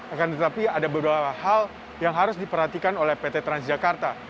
akan tetapi ada beberapa hal yang harus diperhatikan oleh pt transjakarta